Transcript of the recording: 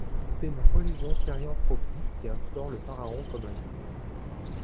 C'est une religion thérianthropique qui instaure le pharaon comme un dieu.